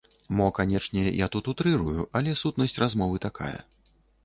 Мо, канечне, я тут утрырую, але сутнасць размовы такая.